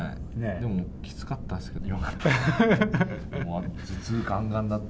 でもきつかったですけど、言わんかった。